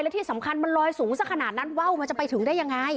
และที่สำคัญมันลอยสูงสักขนาดนั้นว่าวมันจะไปถึงได้ยังไง